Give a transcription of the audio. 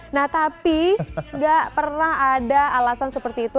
nah tapi gak pernah ada alasan seperti itu